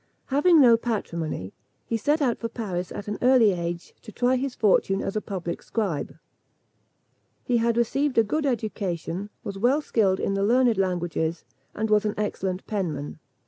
Having no patrimony, he set out for Paris at an early age, to try his fortune as a public scribe. He had received a good education, was well skilled in the learned languages, and was an excellent penman.